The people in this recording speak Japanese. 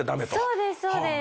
そうですそうです。